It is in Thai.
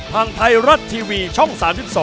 ทางไทยรัฐทีวีช่อง๓๒